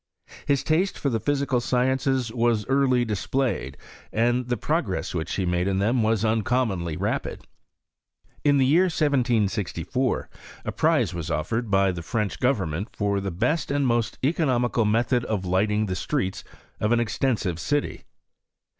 ^is taste for the physical sciences was early dis )[>layed, and the progress which he made in them was Xincommonly rapid. In the year 1764 a prize was offered by the French government for the best and tnost economical method of lighting the streets of 5U1 extensive city.